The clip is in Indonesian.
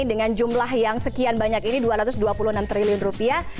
dengan jumlah yang sekian banyak ini dua ratus dua puluh enam triliun rupiah